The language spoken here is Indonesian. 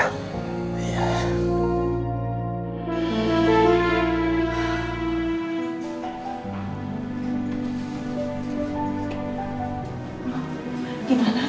gimana keadaan papa